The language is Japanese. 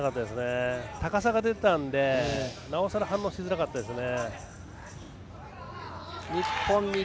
高さが出たのでなおさら反応しづらかったですね。